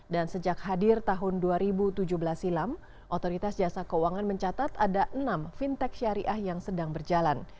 dan sejak hadir tahun dua ribu tujuh belas silam otoritas jasa keuangan mencatat ada enam fintech syariah yang sedang berjalan